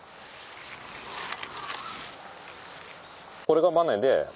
これがバネで。